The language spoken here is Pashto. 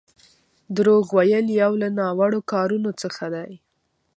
دروغ ويل يو له ناوړو کارونو څخه دی.